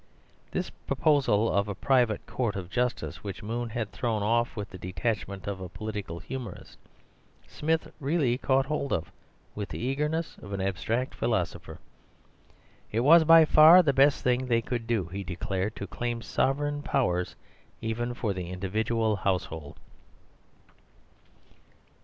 This proposal of a private court of justice, which Moon had thrown off with the detachment of a political humourist, Smith really caught hold of with the eagerness of an abstract philosopher. It was by far the best thing they could do, he declared, to claim sovereign powers even for the individual household.